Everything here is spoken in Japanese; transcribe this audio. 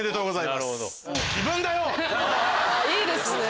いいですね！